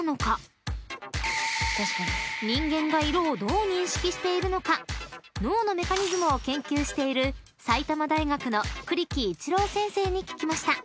［人間が色をどう認識しているのか脳のメカニズムを研究している埼玉大学の栗木一郎先生に聞きました］